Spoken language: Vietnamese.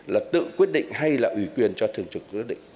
là tự quyết định hay là ủy quyền cho thường trực quyết định